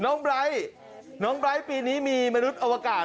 น้องไบ๊คน้องไบ๊คปีนี้มีมนุษย์อวกาศ